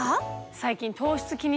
最近。